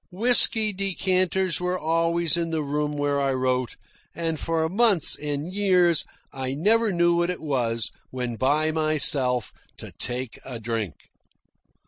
Whisky decanters were always in the room where I wrote, and for months and years I never knew what it was, when by myself, to take a drink.